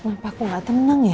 kenapa aku gak tenang ya